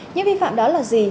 những vi phạm đó là gì